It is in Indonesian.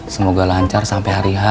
semoga lancar sampe hari ha